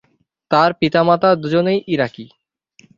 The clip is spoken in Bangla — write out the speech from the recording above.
তার পিতা-মাতা দু’জনেই ইরাকি।